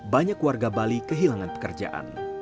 banyak warga bali kehilangan pekerjaan